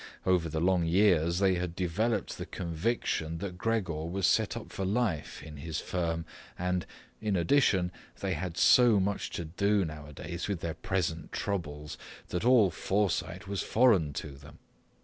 Over the long years, they had developed the conviction that Gregor was set up for life in his firm and, in addition, they had so much to do nowadays with their present troubles that all foresight was foreign to them.